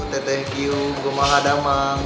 tetek q gemah adamang